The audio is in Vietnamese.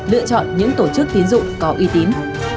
lựa chọn những tổ chức tiến dụng có uy tín